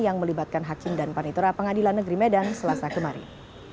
yang melibatkan hakim dan panitera pengadilan negeri medan selasa kemarin